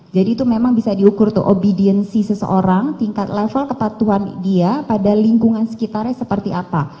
jadi itu memang bisa diukur obediensi seseorang tingkat level kepatuhan dia pada lingkungan sekitarnya seperti apa